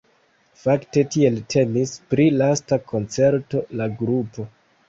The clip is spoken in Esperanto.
Fakte tiel temis pri lasta koncerto de la grupo.